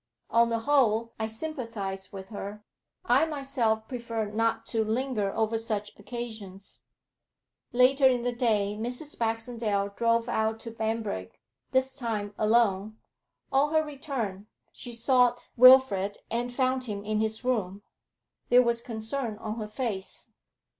'On the whole I sympathise with her; I myself prefer not to linger over such occasions.' Later in the day Mrs. Baxendale drove out to Banbrigg, this time alone. On her return, she sought Wilfrid and found him in his room. There was concern on her face.